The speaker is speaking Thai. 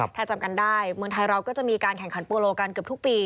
ถ้าจำกันได้เมืองไทยเราก็จะมีการแข่งขันโปโลกันเกือบทุกปี